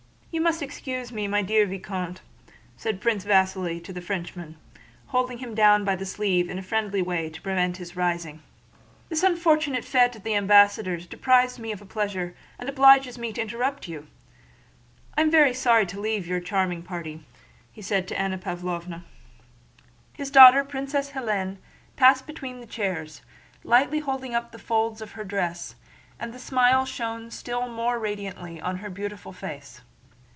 "You must excuse me, dear Vicomte," said Prince Vasíli to the Frenchman, holding him down by the sleeve in a friendly way to prevent his rising. "This unfortunate fete at the ambassador's deprives me of a pleasure, and obliges me to interrupt you. I am very sorry to leave your enchanting party," said he, turning to Anna Pávlovna. His daughter, Princess Hélène, passed between the chairs, lightly holding up the folds of her dress, and the smile shone still more radiantly on her beautiful face.